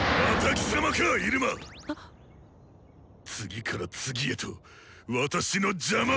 次から次へと私の邪魔ばかり！